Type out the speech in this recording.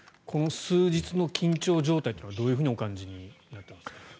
この数日の緊張状態はどういうふうにお感じになっていますか？